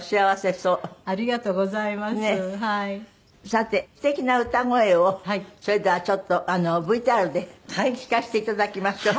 さて素敵な歌声をそれではちょっとＶＴＲで聴かせていただきましょう。